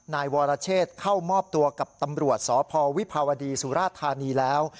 นายวรเชษเข้ามอบตัวกับตำรวจสพวิภาวดีสุราธานีแล้ว